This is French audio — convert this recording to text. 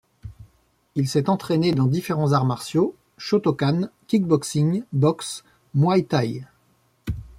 Il s’est entraîné dans différents arts martiaux, Shotokan, kickboxing, boxe, muay thaï.